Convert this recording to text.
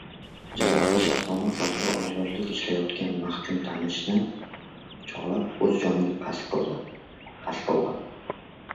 Jizzaxda shartnoma asosida ozodlikda ishlayotgan mahkum tanishini pichoqlab, o‘z joniga qasd qildi